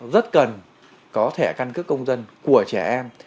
rất cần có thẻ căn cước công dân của trẻ em